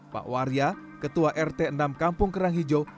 pak warya ketua rt enam kampung kerang hijau